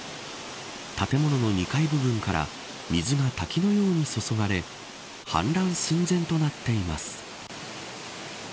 建物の２階部分から水が滝のように注がれ氾濫寸前となっています。